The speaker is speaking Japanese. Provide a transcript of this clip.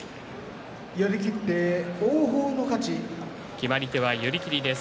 決まり手は寄り切りです。